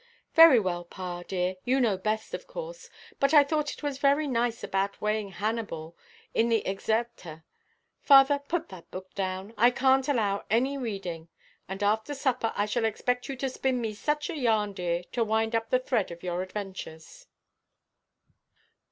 "Very well, pa, dear, you know best, of course; but I thought it was very nice about weighing Hannibal, in the Excerpta. Father, put that book down; I canʼt allow any reading. And after supper I shall expect you to spin me such a yarn, dear, to wind up the thread of your adventures."